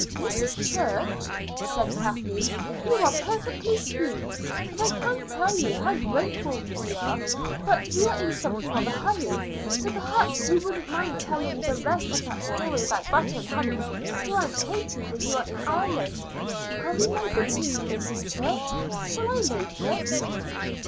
"Mrs. Church," said Kathleen, "you are perfectly sweet, and I can't tell you how grateful we are; but we are in something of a hurry, so perhaps you wouldn't mind telling the rest of that story about butter and honey to Aunt Katie when you are in Ireland. Have you made the tea, Mrs. Church? Shall I make it?"